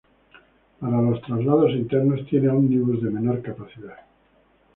Para los traslados internos tienen ómnibus de menor capacidad.